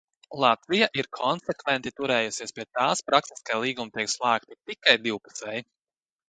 Latvija ir konsekventi turējusies pie tās prakses, ka līgumi tiek slēgti tikai divpusēji.